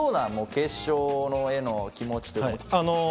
決勝への気持ちというのは。